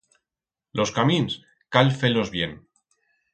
Los camins cal fer-los bien.